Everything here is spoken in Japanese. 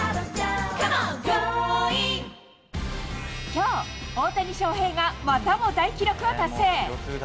きょう、大谷翔平が、またも大記録を達成。